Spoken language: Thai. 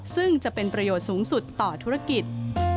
ซึ่งจะเป็นประโยชน์สูงสุดต่อธุรกิจ